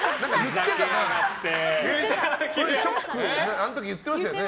あの時言ってましたよね。